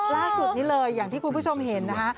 ล่าสุดนี้เลยอย่างที่คุณผู้ชมเห็นนะคะ